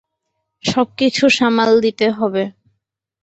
সবকিছু সামাল দিতে হবে।